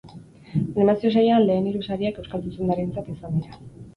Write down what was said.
Animazio sailean lehen hiru sariak euskal zuzendarientzat izan dira.